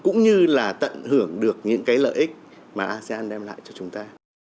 cũng như là tận hưởng được những cái lợi ích mà asean đem lại cho chúng ta